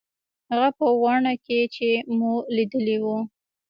هغه په واڼه کښې چې مو ليدلي وو.